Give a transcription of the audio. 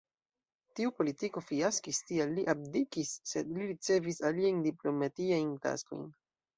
Tiu politiko fiaskis, tial li abdikis, sed li ricevis aliajn diplomatiajn taskojn.